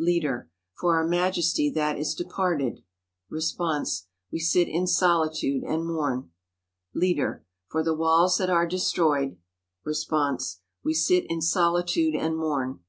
Leader — For our Majesty that is departed. Response — We sit in solitude and mourn. Leader — For the walls that are destroyed. Response — We sit in solitude and mourn.